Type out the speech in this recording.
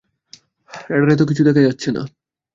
রাডারে তো কিছু দেখা যাচ্ছে না।